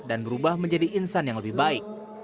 dan berubah menjadi insan yang lebih baik